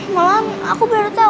malah aku baru tau